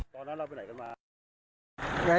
ตอนนั้นเราไปไหนกันมา